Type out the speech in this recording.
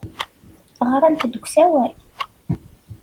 Ɣrant-d deg usawal.